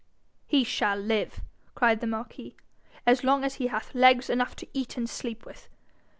'He shall live,' cried the marquis, 'as long as he hath legs enough to eat and sleep with.